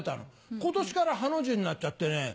今年からハの字になっちゃってね